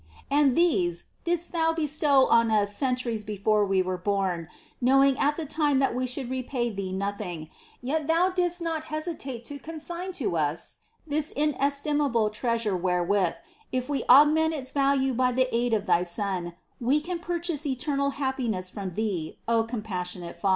And these didst Thou bestow on us centuries before we were born, knowing at the time that we should repay Thee nothing ; yet Thou didst not hesitate to consign to us this in estimable treasure wherewith, if we augment its value by the aid of Thy Son, we can purchase eternal happiness from Thee, O compassionate Father